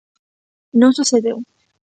Non sucedeu.